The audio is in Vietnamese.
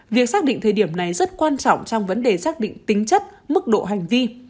việc xác định thời điểm này rất quan trọng trong vấn đề xác định tính chất mức độ hành vi